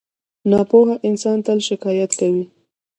• ناپوهه انسان تل شکایت کوي.